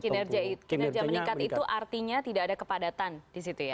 kinerja meningkat itu artinya tidak ada kepadatan disitu ya